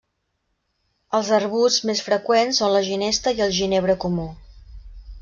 Els arbusts més freqüents són la ginesta i el ginebre comú.